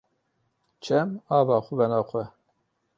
Çem ava xwe venaxwe.